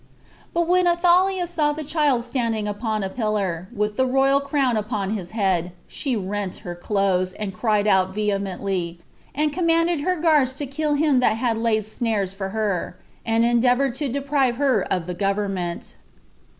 But when Athaliah saw the child standing upon a pillar, with the royal crown upon his head, she rent her clothes, and cried out vehemently, and commanded [her guards] to kill him that had laid snares for her, and endeavored to deprive her of the government.